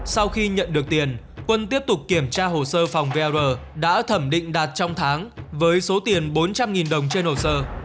sau khi nhận được tiền quân tiếp tục kiểm tra hồ sơ phòng vr đã thẩm định đạt trong tháng với số tiền bốn trăm linh đồng trên hồ sơ